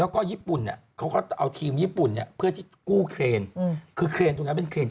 ก็เอาทีมญี่ปุ่นที่นอนเครน